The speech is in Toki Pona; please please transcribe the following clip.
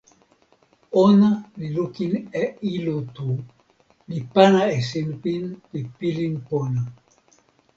ona li lukin e ilo tu, li pana e sinpin pi pilin pona.